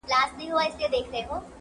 د آدب لمرجهاني دی,